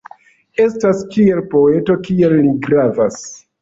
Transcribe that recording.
Estas kiel poeto kiel li gravas.